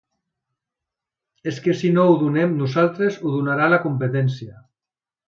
És que si no ho donem nosaltres ho donarà la competència.